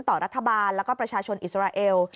ต่อรัฐบาลแล้วก็ประชาชนอิสราเอล